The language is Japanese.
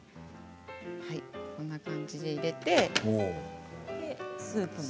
こんな感じで入れて、スープも。